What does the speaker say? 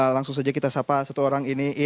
langsung saja kita sapa satu orang ini